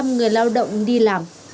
một trăm linh người lao động đi làm